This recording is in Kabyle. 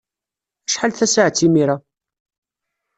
Acḥal tasaɛet imir-a?